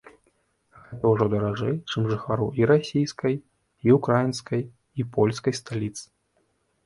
Гэта ўжо даражэй чым жыхару і расійскай, і украінскай, і польскай сталіц.